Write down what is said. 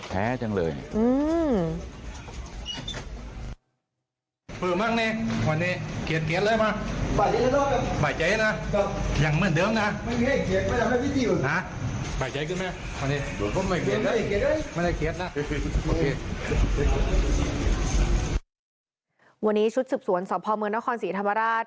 วันนี้ชุดศึกษวนสมนศรีธรรมราช